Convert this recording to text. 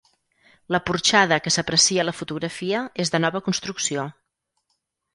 La porxada que s'aprecia a la fotografia és de nova construcció.